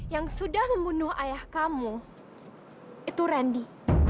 yang sudah membunuh ayah kamu itu randy